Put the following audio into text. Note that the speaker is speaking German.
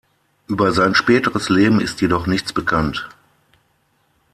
Über sein späteres Leben ist jedoch nichts bekannt.